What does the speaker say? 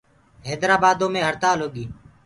هيدرآبآدو مي هڙتآل هوگي۔